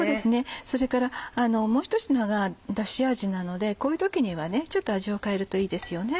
それからもうひと品がダシ味なのでこういう時にはちょっと味を変えるといいですよね。